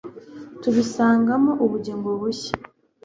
tubisangamo ubugingo bushya